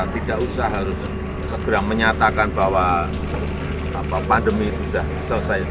tidak usah harus segera menyatakan bahwa pandemi itu sudah selesai